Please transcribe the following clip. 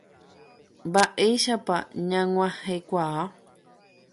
Mba'éichapa ñag̃uahẽkuaa.